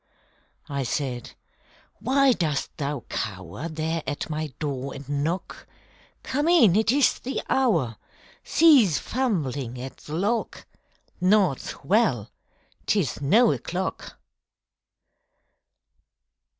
I said, _Why dost thou cower There at my door and knock? Come in! It is the hour! Cease fumbling at the lock! Naught's well! 'Tis no o'clock!